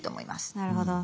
なるほど。